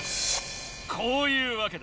こういうわけだ。